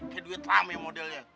kayak duit rame modelnya